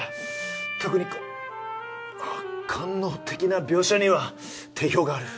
特にこう官能的な描写には定評がある。